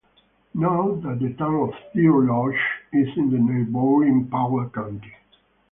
Note that the town of Deer Lodge is in neighboring Powell County.